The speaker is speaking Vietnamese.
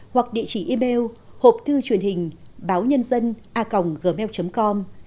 hoặc địa chỉ email hộpthư truyền hình báonhân dân a gmail com